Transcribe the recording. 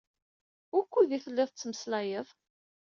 Wukud i telliḍ la tettmeslayeḍ?